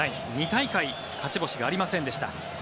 ２大会勝ち星がありませんでした。